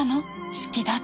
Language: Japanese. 好きだって」